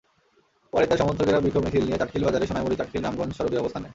পরে তাঁর সমর্থকেরা বিক্ষোভ মিছিল নিয়ে চাটখিল বাজারে সোনাইমুড়ী-চাটখিল-রামগঞ্জ সড়কে অবস্থান নেন।